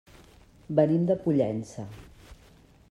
Venim de Pollença.